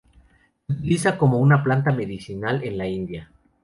Se utiliza como una planta medicinal en la India.